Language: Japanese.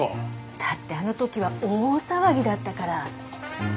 だってあの時は大騒ぎだったから。